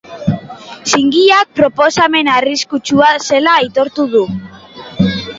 Zinegileak proposamen arriskutsua zela aitortu du.